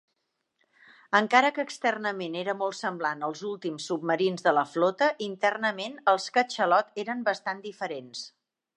Encara que externament era molt semblant als últims "submarins de la flota", internament els "Catxalot" eren bastant diferents.